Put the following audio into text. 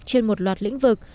trên một loạt lĩnh vực